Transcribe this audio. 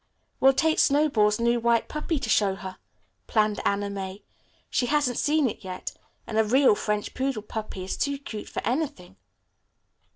"We'll take Snowball's new white puppy to show her," planned Anna May. "She hasn't seen it yet. And a real French poodle puppy is too cute for anything."